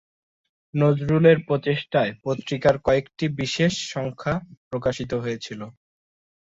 নজরুলের প্রচেষ্টায় পত্রিকার কয়েকটি বিশেষ সংখ্যা প্রকাশিত হয়েছিল।